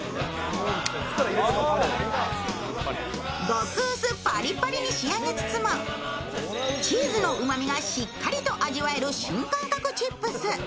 極薄パリパリに仕上げつつも、チーズのうまみがしっかりと味わえる新感覚チップス。